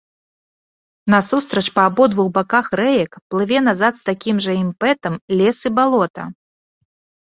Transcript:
Насустрач па абодвух баках рэек плыве назад з такім жа імпэтам лес і балота.